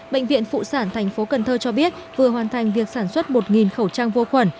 bệnh viện phụ sản thành phố cần thơ cho biết vừa hoàn thành việc sản xuất một khẩu trang vô khuẩn